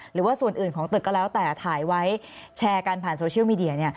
หรือว่าส่วนอื่นของตึกก็แล้วแต่ถ่ายไว้แชร์กันผ่านโซเชียลมีเดีย